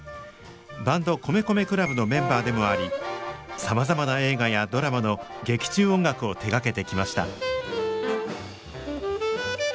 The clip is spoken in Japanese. バンド米米ＣＬＵＢのメンバーでもありさまざまな映画やドラマの劇中音楽を手がけてきました。